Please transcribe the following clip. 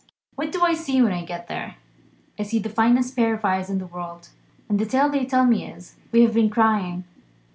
What do I see when I get there? I see the finest pair of eyes in the world; and the tale they tell me is, We have been crying.